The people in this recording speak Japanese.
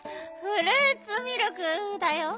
フルーツミルク。